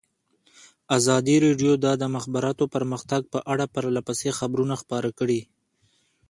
ازادي راډیو د د مخابراتو پرمختګ په اړه پرله پسې خبرونه خپاره کړي.